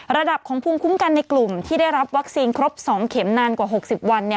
ระดับของภูมิคุ้มกันในกลุ่มที่ได้รับวัคซีนครบ๒เข็มนานกว่า๖๐วัน